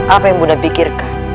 apa yang bunda pikirkan